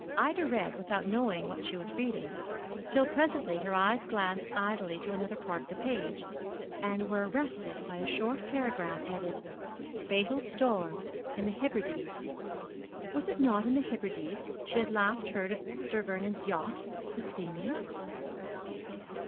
Ida read without knowing what she was reading, till presently her eyes glanced idly to another part of the page, and there were arrested by a short paragraph headed, FATAL STORM IN THE HEBRIDES. Was it not in the Hebrides she had last heard of Sir Vernon's yacht the _Seamew?